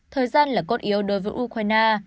thời gian là cốt yếu đối với ukraine